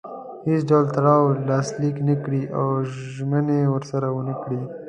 هیڅ ډول تړون لاسلیک نه کړي او ژمنې ورسره ونه کړي.